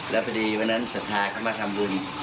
แล้วพอดีวันนั้นศรัทธาเขามาทำบุญ